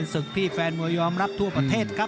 ซึกพี่แฟนมวยยอมรับทั่วประเทศ